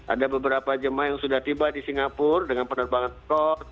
ada beberapa jemaah yang sudah tiba di singapura dengan penerbangan stok